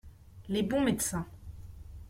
Les bons médecins.